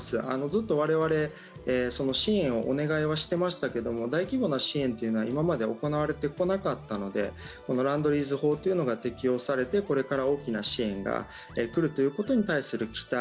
ずっと我々支援をお願いはしてましたけども大規模な支援というのは今まで行われてこなかったのでこのレンドリース法というのが適用されてこれから大きな支援が来るということに対する期待